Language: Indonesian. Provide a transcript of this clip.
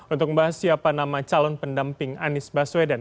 untuk membahas siapa nama calon pendamping anies baswedan